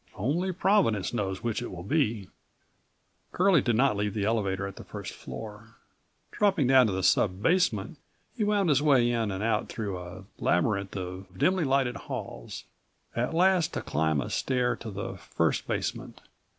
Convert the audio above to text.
Only Providence knows which it will be." Curlie did not leave the elevator at the first floor. Dropping down to the sub basement, he wound his way in and out through a labyrinth of dimly lighted halls, at last to climb a stair to the first basement.